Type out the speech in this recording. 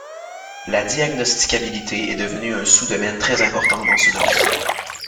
La diagnosticabilité est devenu un sous domaine très important dans ce domaine.